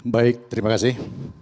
baik terima kasih